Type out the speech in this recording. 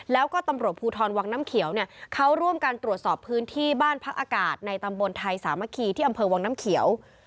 แล้วก็ตำรวจภูทรวังน้ำเขียวเนี่ยเขาร่วมกันตรวจสอบพื้นที่บ้านพักอากาศในตำบลไทยสามัคคีที่อำเภอวังน้ำเขียว